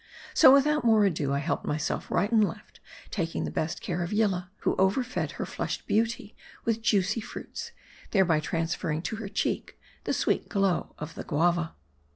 So without more ado I helped myself right and left ; taking the best care of Yillah ; who ever fed her flushed beauty with juicy fruits, thereby trans ferring to her cheek the sweet glow of the guava.